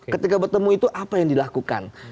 ketika bertemu itu apa yang dilakukan